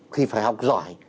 thì phải học giỏi